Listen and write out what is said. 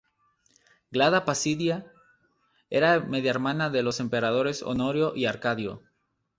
Gala Placidia era media hermana de los emperadores Honorio y Arcadio.